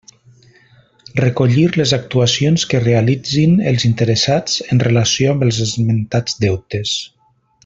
Recollir les actuacions que realitzin els interessats en relació amb els esmentats deutes.